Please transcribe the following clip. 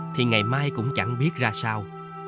thì ngày mai cũng chẳng biết ra sao